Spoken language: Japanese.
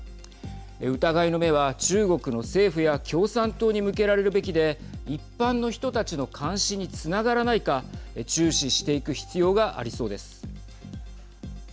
疑いの目は中国の政府や共産党に向けられるべきで一般の人たちの監視につながらないか注視していく必要がありそうです。